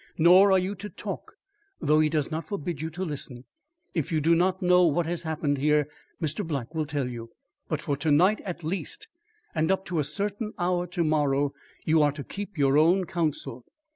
Nor are you to talk, though he does not forbid you to listen. If you do not know what has happened here, Mr. Black will tell you, but for to night at least, and up to a certain hour to morrow, you are to keep your own counsel.